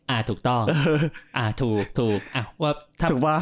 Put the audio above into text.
อ่าถูกต้องอ่าถูกถูก